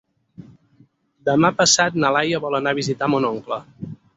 Demà passat na Laia vol anar a visitar mon oncle.